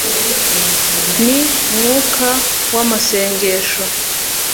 nu mwuka wa masengesho